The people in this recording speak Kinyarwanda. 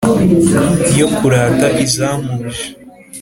Yo kurata Izamuje,